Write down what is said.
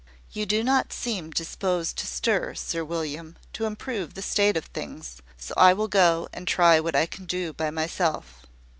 You do not seem disposed to stir, Sir William, to improve the state of things; so I will go and try what I can do by myself."